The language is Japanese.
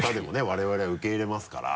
我々は受け入れますから。